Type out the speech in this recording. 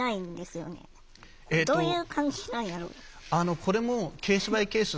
これもケースバイケース。